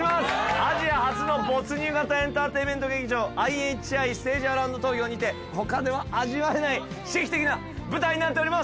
アジア初の没入型エンタテインメント劇場ＩＨＩステージアラウンド東京にて他では味わえない刺激的な舞台になっております